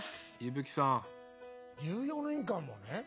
１４年間もね